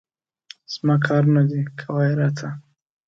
زما کارونه دي، کوه یې راته.